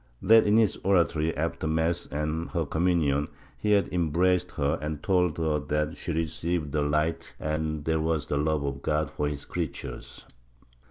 That in his oratory after mass and her communion he had embraced her and told her that she received the light and that this was the love of God for his creatures